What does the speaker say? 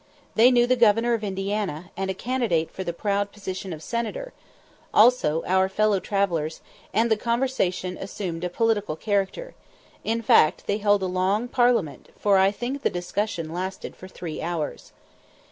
They knew the governor of Indiana, and a candidate for the proud position of Senator, also our fellow travellers; and the conversation assumed a political character; in fact, they held a long parliament, for I think the discussion lasted for three hours.